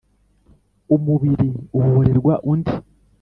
umubiri uhorerwa undi